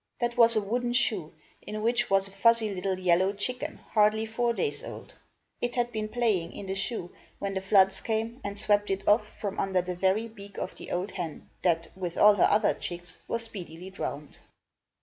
That was a wooden shoe, in which was a fuzzy little yellow chicken hardly four days old. It had been playing in the shoe, when the floods came and swept it off from under the very beak of the old hen, that, with all her other chicks, was speedily drowned.